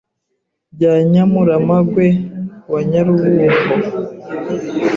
Bya Nyamuramagwe wa Nyarubungo